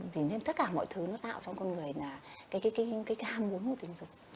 thế nên tất cả mọi thứ nó tạo trong con người là cái cam muốn của tình dục